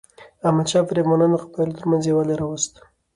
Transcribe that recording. احمدشاه بابا د افغانو قبایلو ترمنځ یووالی راوست.